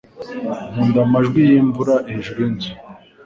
Nkunda amajwi yimvura hejuru yinzu.